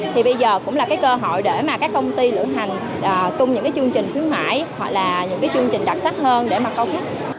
thì bây giờ cũng là cái cơ hội để mà các công ty lửa hành tung những cái chương trình khuyến mãi hoặc là những cái chương trình đặc sắc hơn để mà công thức